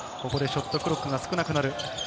ショットクロックが少なくなる。